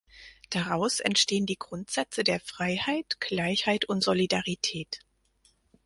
Daraus entstehen die Grundsätze der Freiheit, Gleichheit und Solidarität.